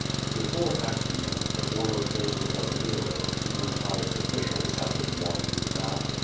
Before Actea, the former favorite of Nero, even the highest officials had been wont to bow.